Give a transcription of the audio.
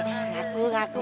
ngaku ngaku pacaran ya